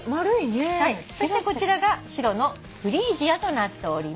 そしてこちらが白のフリージアとなっております。